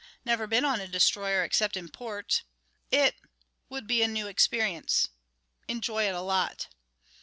Never been on a destroyer except in port. It ... would be a new experience ... enjoy it a lot...."